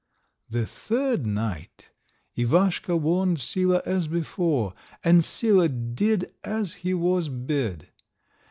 The third night Ivaschka warned Sila as before, and Sila did as he was bid.